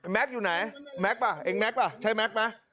แม็กซ์อยู่ไหนแม็กซ์ป่ะเอ็งแม็กซ์ป่ะใช้แม็กซ์ป่ะ